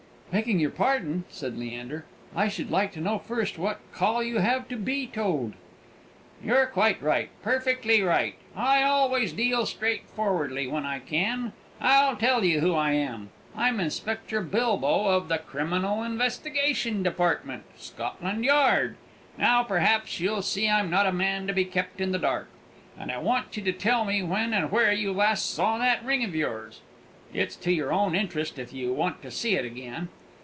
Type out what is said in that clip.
"Begging your pardon," said Leander, "I should like to know first what call you have to be told." "You're quite right perfectly right. I always deal straightforwardly when I can. I'll tell you who I am. I'm Inspector Bilbow, of the Criminal Investigation Department, Scotland Yard. Now, perhaps, you'll see I'm not a man to be kept in the dark. And I want you to tell me when and where you last saw that ring of yours: it's to your own interest, if you want to see it again."